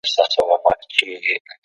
مرسته کول انساني دنده ده.